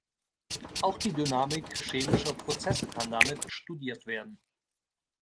Auch die Dynamik chemischer Prozesse kann damit studiert werden.